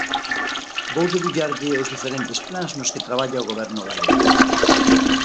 Vou debullarlle os diferentes plans nos que traballa o Goberno galego.